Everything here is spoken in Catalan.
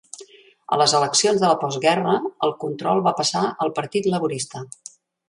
A les eleccions de la postguerra el control va passar al Partit Laborista.